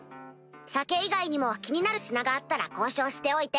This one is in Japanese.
酒以外にも気になる品があったら交渉しておいて。